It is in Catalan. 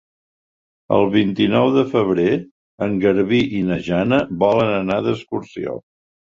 El vint-i-nou de febrer en Garbí i na Jana volen anar d'excursió.